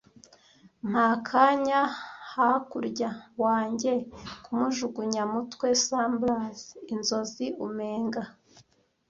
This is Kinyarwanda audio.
Mpa akanya hakurya wanjye kumujugunya mutwe, slumbers, inzozi, umenga,